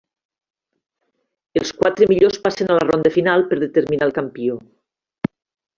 Els quatre millors passen a la ronda final per determinar el campió.